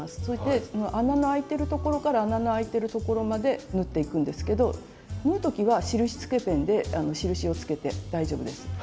そして穴のあいてるところから穴のあいてるところまで縫っていくんですけど縫う時は印つけペンで印をつけて大丈夫です。